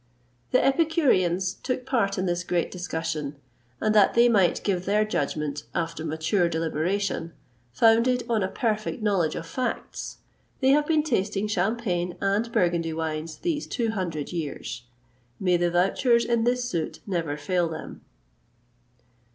[XXVIII 166] The epicureans took part in this great discussion, and that they might give their judgment after mature deliberation, founded on a perfect knowledge of facts, they have been tasting Champagne and Burgundy wines these two hundred years. May the vouchers in this suit never fail them!